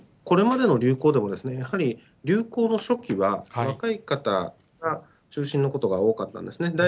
これまでの流行でも、やはり流行の初期は、若い方が中心のことが多かったんですね。